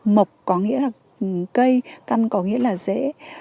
mộc có nghĩa là cây căn có nghĩa là dễ